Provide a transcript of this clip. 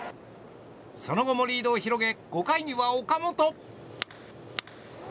その後もリードを広げ５回には岡本。